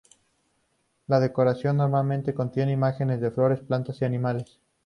La decoración normalmente contiene imágenes de flores, plantas y animales.